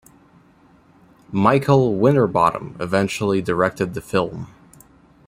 Michael Winterbottom eventually directed the film.